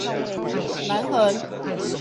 南橫